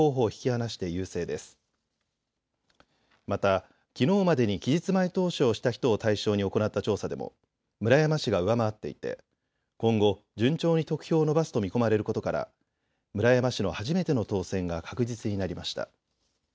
またきのうまでに期日前投票をした人を対象に行った調査でも村山氏が上回っていて今後、順調に得票を伸ばすと見込まれることから村山氏の初めての当選が確実になりました。